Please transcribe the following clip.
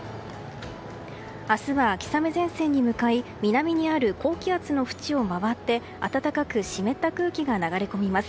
明日は秋雨前線に向かい南にある高気圧のふちを回って暖かく湿った空気が流れ込みます。